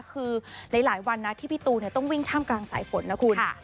คือหลายวันนะที่พี่ตูนต้องวิ่งท่ามกลางสายฝนนะคุณ